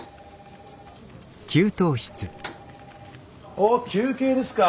おっ休憩ですか？